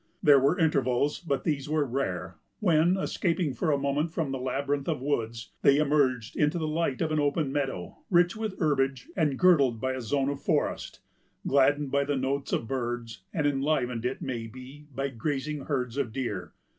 There were intervals, but these were rare, when, escaping for a moment from the labyrinth of woods, they emerged into the light of an open meadow, rich with herbage, and girdled by a zone of forest; gladdened by the notes of birds, and enlivened, it may be, by grazing herds of deer.